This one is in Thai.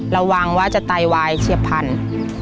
ระวังว่าจะไตวายเฉียบพันธุ์